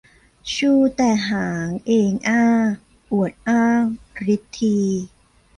ชูแต่หางเองอ้า อวดอ้างฤทธี